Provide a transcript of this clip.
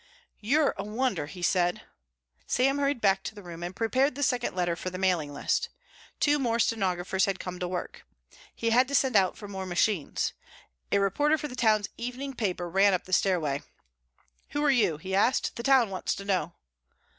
"You're a wonder," he said. Sam hurried back to the room and prepared the second letter for the mailing list. Two more stenographers had come to work. He had to send out for more machines. A reporter for the town's evening paper ran up the stairway. "Who are you?" he asked. "The town wants to know."